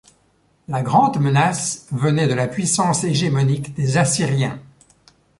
La grande menace venait de la puissance hégémonique des Assyriens.